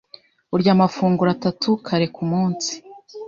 Urya amafunguro atatu kare kumunsi?